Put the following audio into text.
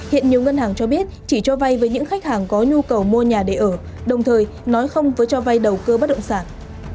hiện nhiều ngân hàng cho biết chỉ cho vay với những khách hàng có nhu cầu mua nhà để ở đồng thời nói không với cho vay đầu cơ bất động sản